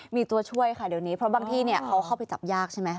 มีตัวช่วยค่ะเดี๋ยวนี้เพราะบางที่เขาเข้าไปจับยากใช่ไหม